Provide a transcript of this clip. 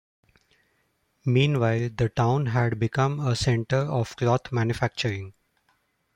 Meanwhile, the town had become a centre of cloth manufacturing.